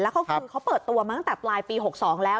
เขาคือเขาเปิดตัวมาตั้งแต่ปลายปี๖๒แล้ว